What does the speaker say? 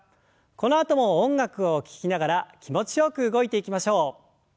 このあとも音楽を聞きながら気持ちよく動いていきましょう。